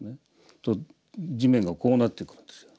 すると地面がこうなってくるんですよ。